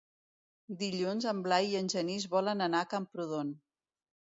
Dilluns en Blai i en Genís volen anar a Camprodon.